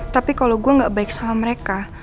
tapi kalau gue gak baik sama mereka